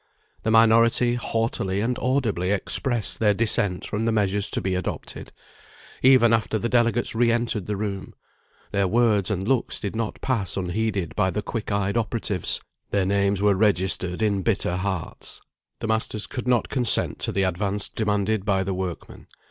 The minority haughtily and audibly expressed their dissent from the measures to be adopted, even after the delegates re entered the room; their words and looks did not pass unheeded by the quick eyed operatives; their names were registered in bitter hearts. The masters could not consent to the advance demanded by the workmen.